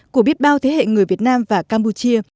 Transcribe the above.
của biết bao thế hệ người việt nam và campuchia